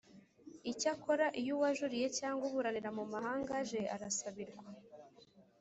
Icyakora iyo uwajuriye cyangwa uburanira mumahanga aje arasabirwa